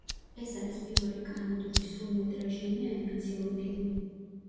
ეს არის პირველი კანადური სრულმეტრაჟიანი ანიმაციური ფილმი.